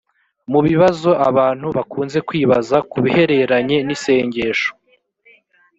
mu bibazo abantu bakunze kwibaza ku bihereranye n isengesho